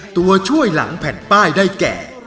ตัวช่วยหลังแผ่นป้ายได้แก่